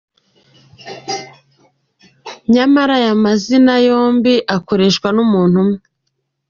Nyamara aya mazina yombi akoreshwa n’umuntu umwe.